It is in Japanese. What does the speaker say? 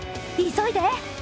急いで！